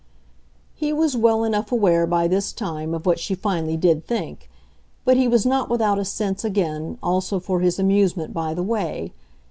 He was well enough aware, by this time, of what she finally did think; but he was not without a sense, again, also for his amusement by the way.